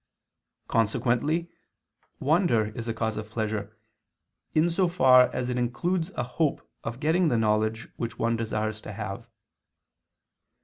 Consequently wonder is a cause of pleasure, in so far as it includes a hope of getting the knowledge which one desires to have.